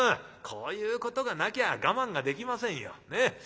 こういうことがなきゃ我慢ができませんよ。